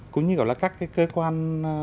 cũng như gọi là các cái cơ quan